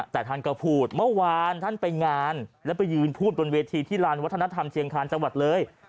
แต่ท่านก็พูดเมื่อวานท่านไปงานแล้วไปยืนพูดบนเวทีที่ลานวัฒนธรรมเชียงคาญจังหวัดเลย